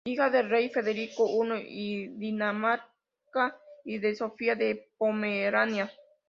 Hija del rey Federico I de Dinamarca y de Sofía de Pomerania.